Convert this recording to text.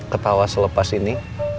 ketawa selepas ini